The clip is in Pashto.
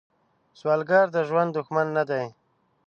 سوالګر د ژوند دښمن نه دی